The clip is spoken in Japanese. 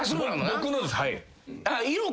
僕のです。